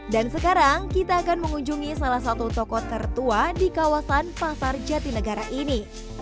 dan sekarang kita akan mengunjungi salah satu toko tertua di kawasan pasar jatinegara ini